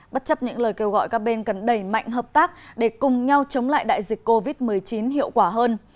bất chấp những lời kêu gọi các bên cần đẩy mạnh hợp tác để cùng nhau chống lại đại dịch covid một mươi chín hiệu quả hơn